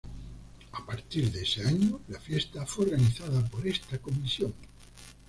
A partir de ese año la fiesta fue organizada por esta comisión.